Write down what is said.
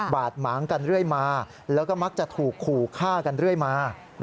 ดหมางกันเรื่อยมาแล้วก็มักจะถูกขู่ฆ่ากันเรื่อยมา